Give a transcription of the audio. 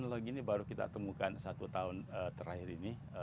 dan hal ini baru kita temukan satu tahun terakhir ini